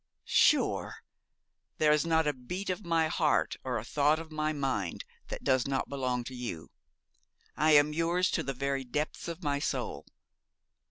'Sure! There is not a beat of my heart or a thought of my mind that does not belong to you. I am yours to the very depths of my soul.